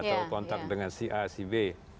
atau kontak dengan si a si b